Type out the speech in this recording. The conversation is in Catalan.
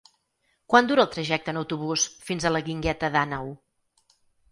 Quant dura el trajecte en autobús fins a la Guingueta d'Àneu?